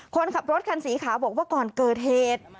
คนขับรถคันสีขาวบอกว่าก่อนเกิดเหตุ